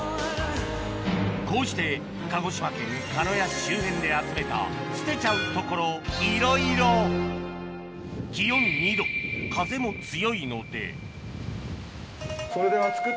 こうして鹿児島県鹿屋市周辺で集めた捨てちゃうところいろいろ風も強いのでそれでは。